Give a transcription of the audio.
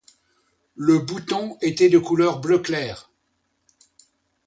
Le bouton était de couleur bleu clair.